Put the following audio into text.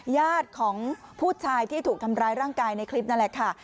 ญาติของผู้ชายที่ถูกทำร้ายร่างกายในคลิปนั่นแหละค่ะ